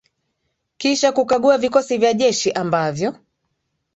kisha kukagua vikosi vya jeshi ambavyo